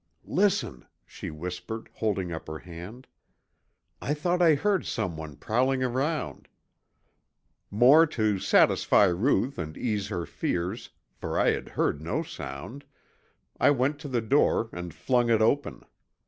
"Listen!" she whispered, holding up her hand. "I thought I heard someone prowling around." More to satisfy Ruth and ease her fears, for I had heard no sound, I went to the door and flung it open.